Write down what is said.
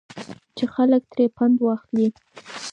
چې خلک ترې پند واخلي.